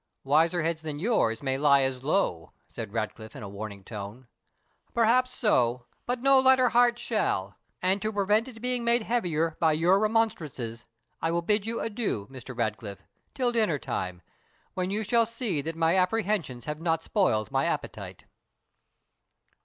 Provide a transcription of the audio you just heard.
"Wiser heads than yours may lie as low," said Ratcliffe, in a warning tone. "Perhaps so; but no lighter heart shall; and, to prevent it being made heavier by your remonstrances, I will bid you adieu, Mr. Ratcliffe, till dinner time, when you shall see that my apprehensions have not spoiled my appetite."